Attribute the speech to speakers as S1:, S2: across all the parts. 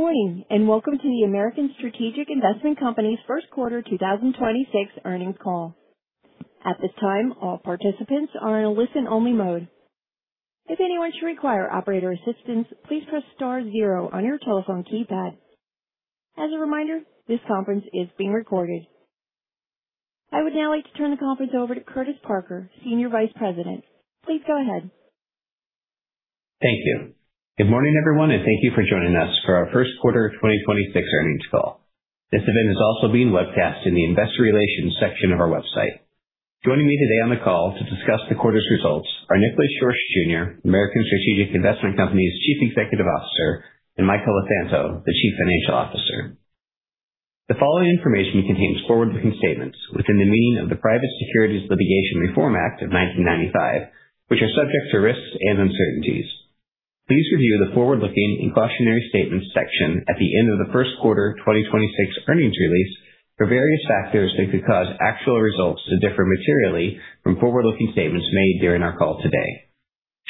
S1: Good morning, welcome to the American Strategic Investment Co.'s first quarter 2026 earnings call. At this time, all participants are in a listen-only mode. If anyone should require operator assistance, please press star zero on your telephone keypad. As a reminder, this conference is being recorded. I would now like to turn the conference over to Curtis Parker, Senior Vice President. Please go ahead.
S2: Thank you. Good morning, everyone, and thank you for joining us for our first quarter 2026 earnings call. This event is also being webcast in the Investor Relations section of our website. Joining me today on the call to discuss the quarter's results are Nick Schorsch Jr., American Strategic Investment Co.'s Chief Executive Officer, and Michael LeSanto, the Chief Financial Officer. The following information contains forward-looking statements within the meaning of the Private Securities Litigation Reform Act of 1995, which are subject to risks and uncertainties. Please review the forward-looking and cautionary statements section at the end of the first quarter 2026 earnings release for various factors that could cause actual results to differ materially from forward-looking statements made during our call today.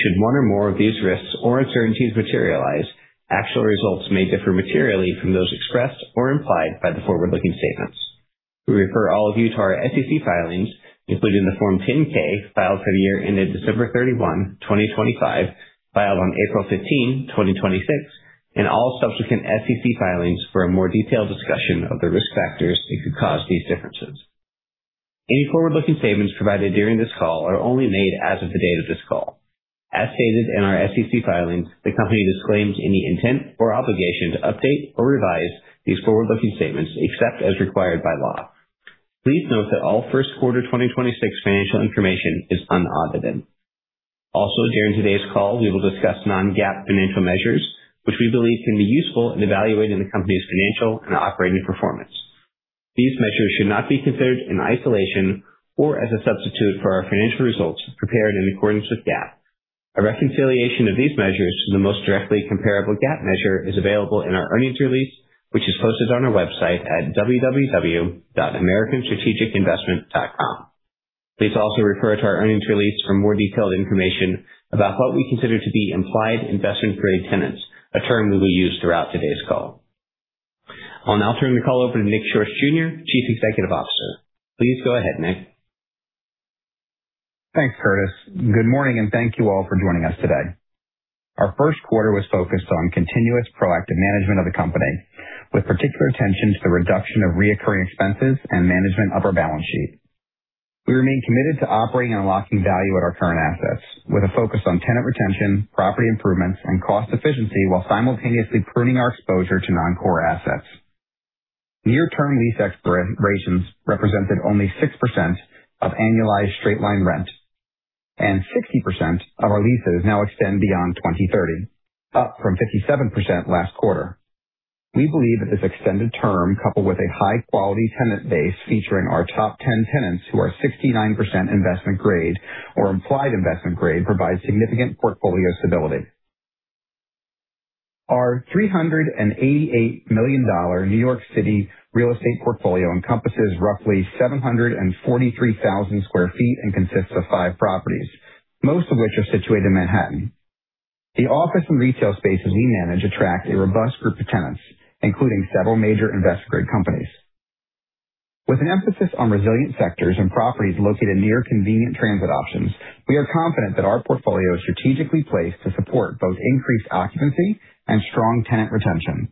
S2: Should one or more of these risks or uncertainties materialize, actual results may differ materially from those expressed or implied by the forward-looking statements. We refer all of you to our SEC filings, including the Form 10-K filed for the year ended December 31, 2025, filed on April 15, 2026, and all subsequent SEC filings for a more detailed discussion of the risk factors that could cause these differences. Any forward-looking statements provided during this call are only made as of the date of this call. As stated in our SEC filings, the company disclaims any intent or obligation to update or revise these forward-looking statements except as required by law. Please note that all first quarter 2026 financial information is unaudited. Also, during today's call, we will discuss non-GAAP financial measures, which we believe can be useful in evaluating the company's financial and operating performance. These measures should not be considered in isolation or as a substitute for our financial results prepared in accordance with GAAP. A reconciliation of these measures to the most directly comparable GAAP measure is available in our earnings release, which is posted on our website at www.americanstrategicinvestment.com. Please also refer to our earnings release for more detailed information about what we consider to be implied investment-grade tenants, a term that we use throughout today's call. I'll now turn the call over to Nick Schorsch Jr., Chief Executive Officer. Please go ahead, Nick.
S3: Thanks, Curtis. Good morning, and thank you all for joining us today. Our first quarter was focused on continuous proactive management of the company, with particular attention to the reduction of reoccurring expenses and management of our balance sheet. We remain committed to operating and unlocking value at our current assets with a focus on tenant retention, property improvements and cost efficiency while simultaneously pruning our exposure to non-core assets. Near-term lease expirations represented only 6% of annualized straight-line rent, and 60% of our leases now extend beyond 2030, up from 57% last quarter. We believe that this extended term, coupled with a high-quality tenant base featuring our top 10 tenants who are 69% investment grade or implied investment grade, provides significant portfolio stability. Our $388 million New York City real estate portfolio encompasses roughly 743,000 sq ft and consists of five properties, most of which are situated in Manhattan. The office and retail spaces we manage attract a robust group of tenants, including several major [invest-grade] companies. With an emphasis on resilient sectors and properties located near convenient transit options, we are confident that our portfolio is strategically placed to support both increased occupancy and strong tenant retention.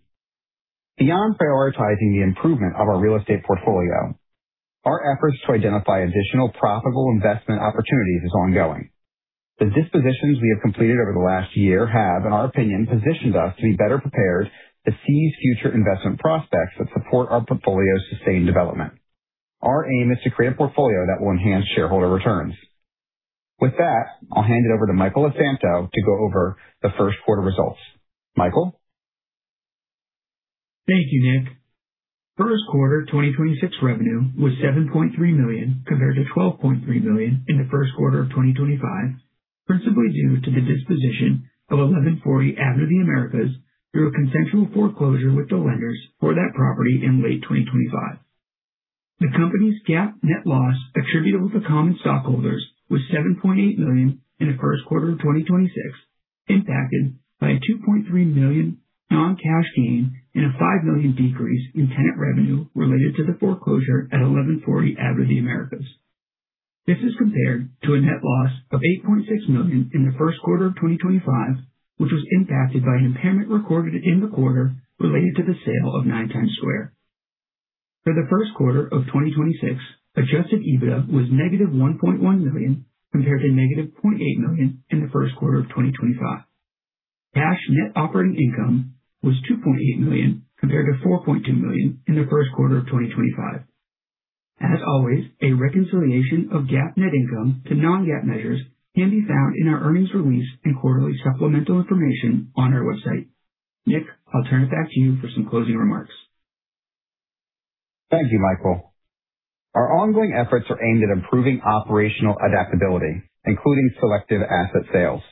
S3: Beyond prioritizing the improvement of our real estate portfolio, our efforts to identify additional profitable investment opportunities is ongoing. The dispositions we have completed over the last year have, in our opinion, positioned us to be better prepared to seize future investment prospects that support our portfolio's sustained development. Our aim is to create a portfolio that will enhance shareholder returns. With that, I'll hand it over to Michael LeSanto to go over the first quarter results. Michael?
S4: Thank you, Nick. First quarter 2026 revenue was $7.3 million, compared to $12.3 million in the first quarter of 2025, principally due to the disposition of 1140 Avenue of the Americas through a consensual foreclosure with the lenders for that property in late 2025. The company's GAAP net loss attributable to common stockholders was $7.8 million in the first quarter of 2026, impacted by a $2.3 million non-cash gain and a $5 million decrease in tenant revenue related to the foreclosure at 1140 Avenue of the Americas. This is compared to a net loss of $8.6 million in the first quarter of 2025, which was impacted by an impairment recorded in the quarter related to the sale of 9 Times Square. For the first quarter of 2026, adjusted EBITDA was -$1.1 million, compared to -$0.8 million in the first quarter of 2025. Cash net operating income was $2.8 million, compared to $4.2 million in the first quarter of 2025. As always, a reconciliation of GAAP net income to non-GAAP measures can be found in our earnings release and quarterly supplemental information on our website. Nick, I'll turn it back to you for some closing remarks.
S3: Thank you, Michael. Our ongoing efforts are aimed at improving operational adaptability, including selective asset sales.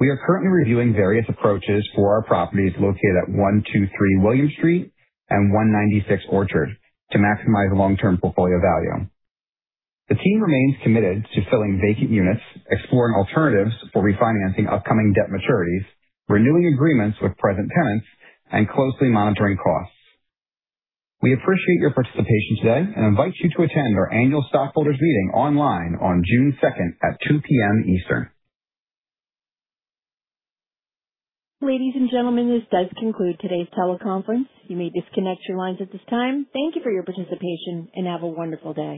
S3: We are currently reviewing various approaches for our properties located at 123 William Street and 196 Orchard to maximize long-term portfolio value. The team remains committed to filling vacant units, exploring alternatives for refinancing upcoming debt maturities, renewing agreements with present tenants, and closely monitoring costs. We appreciate your participation today and invite you to attend our Annual Stockholders Meeting online on June 2 at 2:00 P.M. Eastern.
S1: Ladies and gentlemen, this does conclude today's teleconference. You may disconnect your lines at this time. Thank you for your participation, and have a wonderful day.